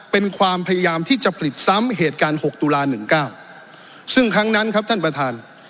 เป็นความพยายามที่จะผลิตซ้ำเหตุการณ์หกตุลา๑๙ซึ่งครั้งนั้นครับท่านประธาน